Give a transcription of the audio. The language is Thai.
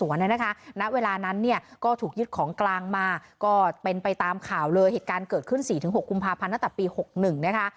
ณเวลานั้นเนี่ยก็ถูกยึดของกลางมาก็เป็นไปตามข่าวเลยเหตุการณ์เกิดขึ้น๔๖กุมภาพันธ์ตั้งแต่ปี๖๑นะคะ